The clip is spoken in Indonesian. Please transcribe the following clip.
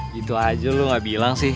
gitu aja lu gak bilang sih